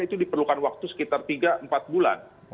itu diperlukan waktu sekitar tiga empat bulan